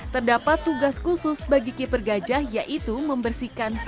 terdapat tugas khusus bagi keeper gajah yaitu membersihkan